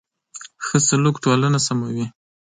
ښه سلوک ټولنه سموي.